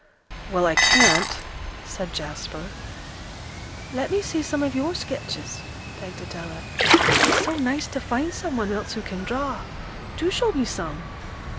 "Well, I can't," said Jasper. "Let me see some of your sketches," begged Adela. "It's so nice to find some one else who can draw. Do show me some."